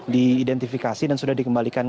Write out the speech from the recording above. diidentifikasi dan sudah dikembalikan